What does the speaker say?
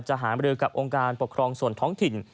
หามรือกับองค์การปกครองส่วนท้องถิ่น